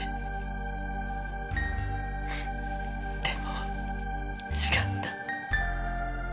でも違った。